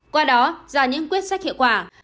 qua đó ra những quyết sách hiệu quả